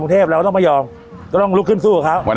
คมบุญเทพฯเราต้องมายอมก็ต้องลุกขึ้นสู้กับเขาวัน